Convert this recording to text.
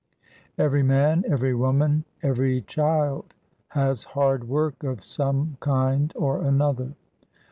Every man, every woman, every child, has hard work of some kind or another.